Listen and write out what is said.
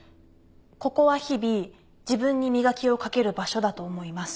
ここは日々自分に磨きをかける場所だと思います。